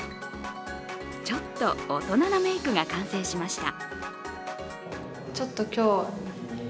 ちょっと大人なメイクが完成しました。